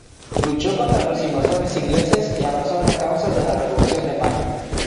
Luchó contra los invasores ingleses y abrazó la causa de la Revolución de Mayo.